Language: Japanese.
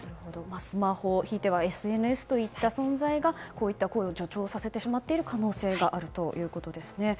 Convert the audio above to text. スマホひいてはＳＮＳといった存在がこういった行為を助長させてしまっている可能性があるということですね。